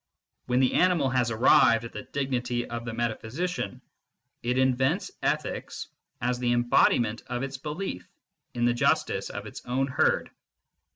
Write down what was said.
When the animal has arrived at the dignity of the meta physician, it invents ethics as the embodiment of its belief in the justice of its own herd.